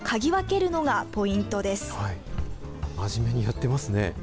真面目にやっていますね。